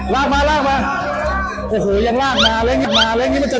ร่างมะ